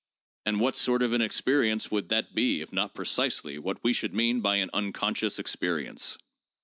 And what sort of an experience would that be if not precisely what we should mean by an unconscious experience?'